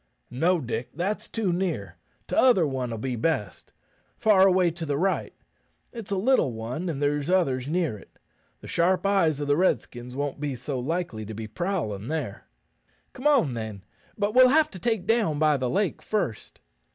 "No, Dick; that's too near. T'other one'll be best far away to the right. It's a little one, and there's others near it. The sharp eyes o' the Redskins won't be so likely to be prowlin' there." "Come on, then; but we'll have to take down by the lake first."